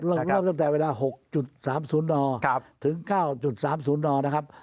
เริ่มตั้งแต่เวลา๖๓๐ดถึง๙๓๐นนะครับ